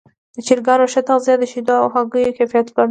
د چرګانو ښه تغذیه د شیدو او هګیو کیفیت لوړوي.